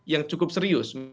yang cukup serius